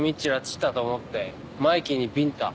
拉致ったと思ってマイキーにビンタ。